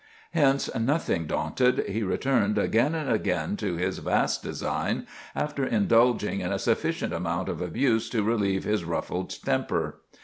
Hence, nothing daunted, he returned again and again to his vast design, after indulging in a sufficient amount of abuse to relieve his ruffled temper.